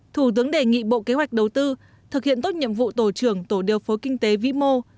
thủ tướng đề nghị bộ kế hoạch đầu tư thực hiện tốt nhiệm vụ tổ trưởng tổ điều phối kinh tế vĩ mô